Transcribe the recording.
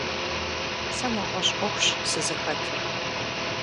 Сэ нэгъуэщӏ ӏуэхущ сызыхэтыр.